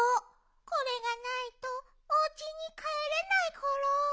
これがないとおうちにかえれないコロ。